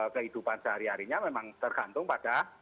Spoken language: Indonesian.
kehidupan sehari harinya memang tergantung pada